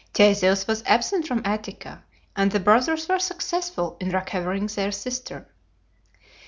Theseus was absent from Attica and the brothers were successful in recovering their sister.